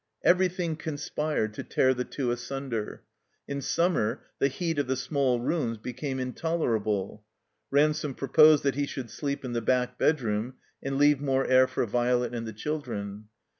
Everything conspired to tear the two asunder. In summer the heat of the small rooms became in tolerable. Ransome proposed that he should sleep in the back bedroom and leave more air for Violet and the children.